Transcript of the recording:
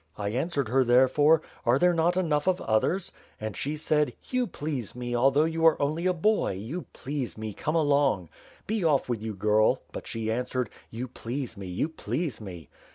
I answered her, therefore, *Are there, not enough of others?' And she said, "You please me, although you are only a boy, you please me, come along.' 'Be off with you, girl,' but she answered, 'you please me, you please me.'